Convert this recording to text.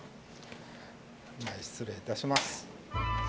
失礼いたします。